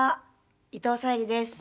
伊藤沙莉です。